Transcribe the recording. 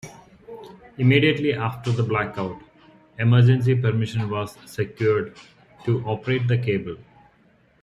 Immediately after the blackout, emergency permission was secured to operate the cable.